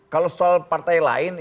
kalau soal partai lain